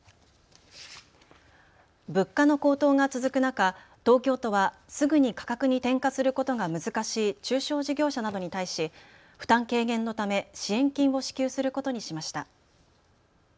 物価の高騰が続く中、東京都はすぐに価格に転嫁することが難しい中小事業者などに対し負担軽減のため支援金を支給することにしました。